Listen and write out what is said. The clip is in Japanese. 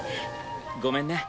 ごめんね。